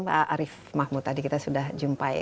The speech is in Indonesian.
pak arief mahmud tadi kita sudah jumpai